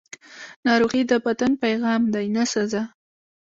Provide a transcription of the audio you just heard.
ناروغي د بدن پیغام دی، نه سزا.